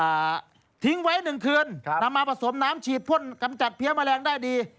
อ่าทิ้งไว้หนึ่งคืนครับนำมาผสมน้ำฉีดพ่นกำจัดเพี้ยแมลงได้ดี